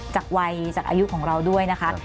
จากวัยจากอายุของเราด้วยนะคะ